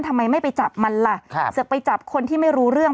ทำไมไม่ไปจับมันล่ะศึกไปจับคนที่ไม่รู้เรื่อง